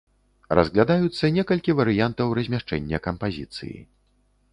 Разглядаюцца некалькі варыянтаў размяшчэння кампазіцыі.